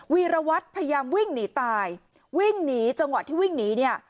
วีรวัตรพยายามวิ่งหนีตายวิ่งหนีจังหวะที่วิ่งหนีเนี่ย